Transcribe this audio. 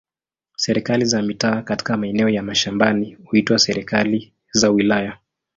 Serikali za mitaa katika maeneo ya mashambani huitwa serikali za wilaya.